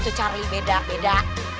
itu charlie beda beda